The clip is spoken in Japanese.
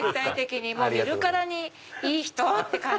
見るからにいい人って感じ。